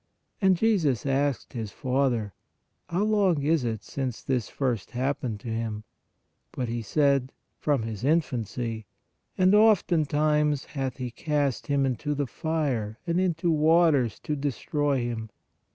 And Jesus asked his father: How long is it since this (first) hap pened to him ? But he said : From his infancy ; and oftentimes hath he cast him into the fire and into waters to destroy him.